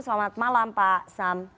selamat malam pak sam